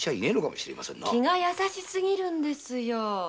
気が優しすぎるんですよ。